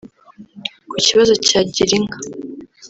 Ku Kibazo cya Girinka